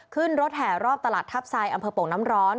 ขึ้นรถแห่รอบตลาดทัพไซดอำเภอโป่งน้ำร้อน